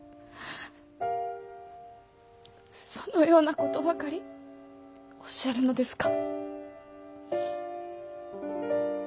そのようなことばかりおっしゃるのですか？